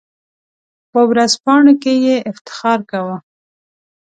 په ورځپاڼو کې یې افتخار کاوه.